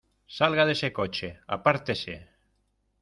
¡ Salga de ese coche! ¡ apártese !